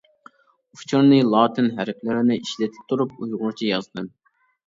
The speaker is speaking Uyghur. ئۇچۇرنى لاتىن ھەرپلىرىنى ئىشلىتىپ تۇرۇپ ئۇيغۇرچە يازدىم.